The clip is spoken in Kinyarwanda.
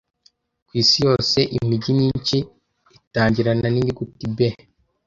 Kwisi yose imijyi myinshi itangirana ninyuguti B.